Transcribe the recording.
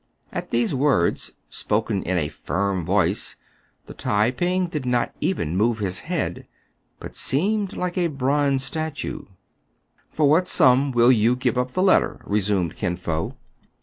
At these words, spoken in a firm voice, the Tai ping did not even move his head, but seemed like a bronze statue. " For what sum will you give up the letter ?" resumed Kin Fo.